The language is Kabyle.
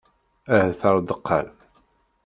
Ahat ar deqqal.